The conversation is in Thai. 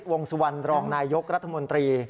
วงสุวรรณรองนายยกรัฐมนตรี